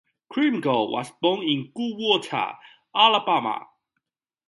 Carmichael was born in Goodwater, Alabama.